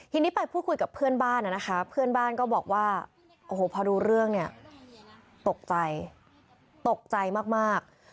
ทีนี้ไปพูดคุยกับเพื่อนบ้านนะคะเพื่อนบ้านก็บอกว่าโอ้โหพอรู้เรื่องเนี่ยตกใจตกใจมาก